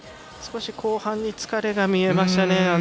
少し後半に疲れが見えましたね。